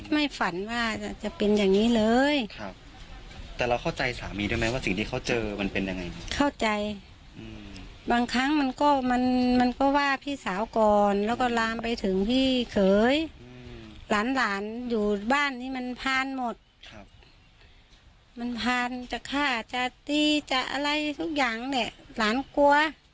มันผ่านจะฆ่าจะตีจะอะไรทุกอย่างเนี่ยหลานกลัว